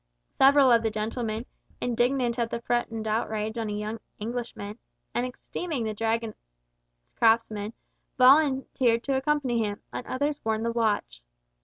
Several of the gentlemen, indignant at the threatened outrage on a young Englishman, and esteeming the craftsmen of the Dragon, volunteered to accompany him, and others warned the watch.